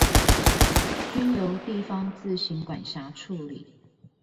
均由地方自行管轄處理